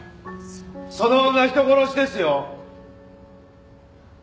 その女人殺しですよ。